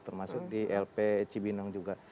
termasuk di lp cibinong juga